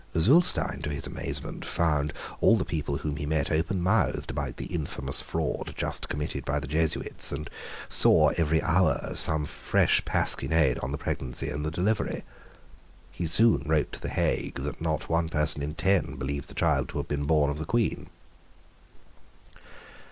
Zulestein, to his amazement, found all the people whom he met open mouthed about the infamous fraud just committed by the Jesuits, and saw every hour some fresh pasquinade on the pregnancy and the delivery. He soon wrote to the Hague that not one person in ten believed the child to have been born of the Queen.